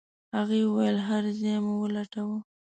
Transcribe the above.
هغې وويل هر ځای مو ولټاوه.